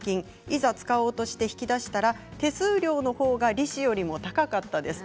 いざ使おうとして引き出したら手数料のほうが利子より高かったです。